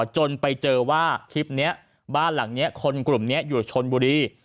จนไปเจอว่าคลิปนี้บ้านหลังนี้คนกลุ่มนี้อยู่ชนบุรี